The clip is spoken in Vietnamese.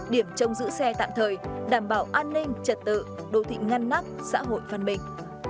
điểm trông giữ xe tạm thời đảm bảo an ninh trật tự đô thị ngăn nắp xã hội phân minh